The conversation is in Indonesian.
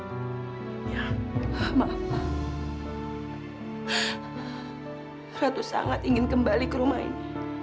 suatu sangat ingin kembali ke rumah ini